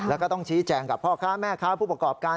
แล้วก็ต้องชี้แจงกับพ่อค้าแม่ค้าผู้ประกอบการ